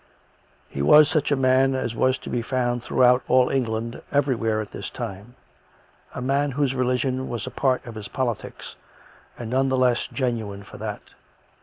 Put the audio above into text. He was such a man as was? to be found throughout all England every where at this time — a man whose religion was a part of his politics, and none the less genuine for that.